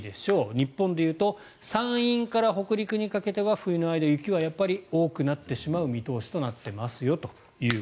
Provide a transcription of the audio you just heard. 日本で言うと山陰から北陸にかけては冬の間、雪はやっぱり多くなってしまう見通しとなってますよと。